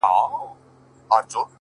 په گيلاس او په ساغر دي اموخته کړم!